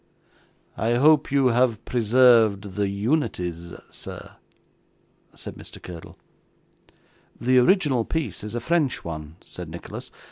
'I hope you have preserved the unities, sir?' said Mr. Curdle. 'The original piece is a French one,' said Nicholas.